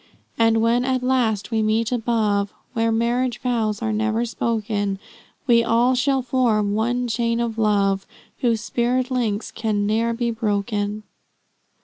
And when at last we meet above, Where marriage vows are never spoken, We all shall form one chain of love, Whose spirit links can ne'er be broken."